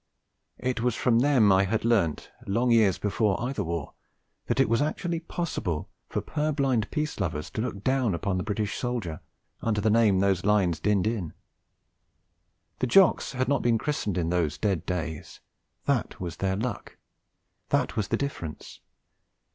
It was from them I had learnt, long years before either war, that it was actually possible for purblind peace lovers to look down upon the British soldier, under the name those lines dinned in. The Jocks had not been christened in those dead days; that was their luck; that was the difference.